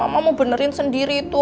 makanya mama mau benerin sendiri aja ya